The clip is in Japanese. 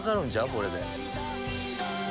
これで。